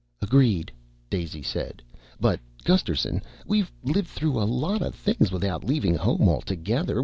"Agreed," Daisy said. "But, Gusterson, we've lived through a lot of things without leaving home altogether.